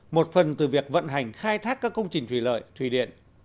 một phần từ việc vận hành khai thác các công trình thủy lợi thủy điện